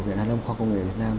viện an lâm khoa công nghệ việt nam